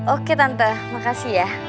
oke tante makasih ya